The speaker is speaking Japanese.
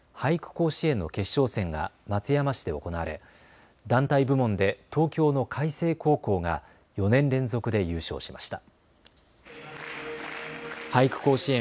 甲子園の決勝戦が松山市で行われ団体部門で東京の開成高校が４年連続で優勝しました。